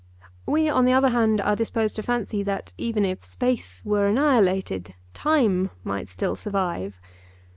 We, on the other hand, are disposed to fancy that even if space were annihilated time might still survive.